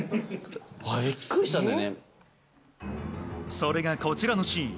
それが、こちらのシーン。